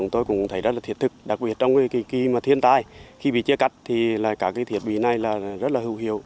tôi cũng thấy rất là thiệt thực đặc biệt trong cái kỳ mà thiên tai khi bị chia cắt thì là cả cái thiết bị này là rất là hữu hiệu